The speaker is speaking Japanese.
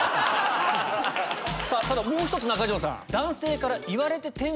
ただもう１つ中条さん。